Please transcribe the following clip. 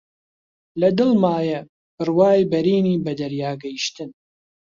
لە دڵمایە بڕوای بەرینی بە دەریا گەیشتن